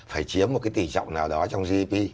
phải chiếm một cái tỉ trọng nào đó trong gdp